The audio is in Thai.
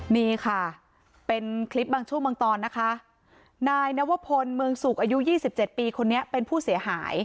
นี่ค่ะเป็นคลิปบางช่วงบางตอนนะคะนายนวพลเมืองสุขอายุ๒๗ปีคนนี้เป็นผู้เสียหาย